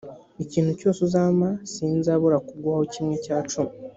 ikintu cyose uzampa sinzabura kuguhaho kimwe cya cumi